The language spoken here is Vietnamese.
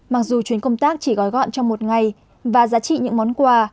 mặc dù chuyến công tác chỉ gói gọn trong một ngày và giá trị những món quà